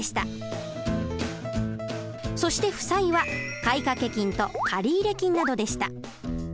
そして負債は買掛金と借入金などでした。